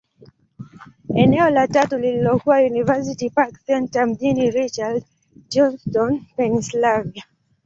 Eneo la tatu lililokuwa University Park Centre, mjini Richland, Johnstown, Pennyslvania.